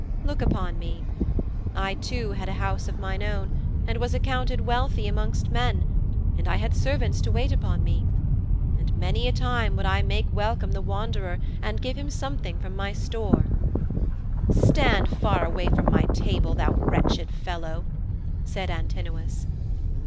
Look upon me. I too had a house of mine own, and was accounted wealthy amongst men, and I had servants to wait upon me. And many a time would I make welcome the wanderer and give him something from my store.' 'Stand far away from my table, thou wretched fellow,' said Antinous.